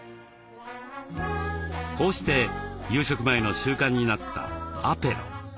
こうして夕食前の習慣になった「アペロ」。